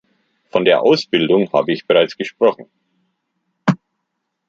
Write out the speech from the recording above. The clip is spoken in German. Von der Ausbildung habe ich bereits gesprochen.